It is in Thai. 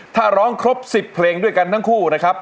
ถ้าร้องครบ๑๐เพลงด้วยกันทั้งคู่นะครับ